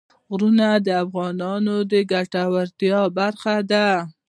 غرونه د افغانانو د ګټورتیا برخه ده.